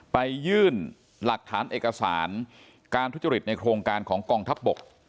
ไปยื่นหลักฐานเอกสารการทุจริตในโครงการของกองทัพบก